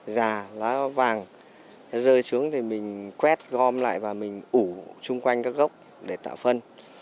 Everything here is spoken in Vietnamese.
dà lá vàng nó rơi xuống thì mình quét gom lại và mình ủ xung quanh các gốc để tạo phân